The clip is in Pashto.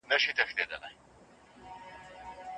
تر تېغ لاندي قتلیږي